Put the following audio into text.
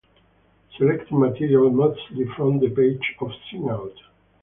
Selecting material mostly from the pages of Sing Out!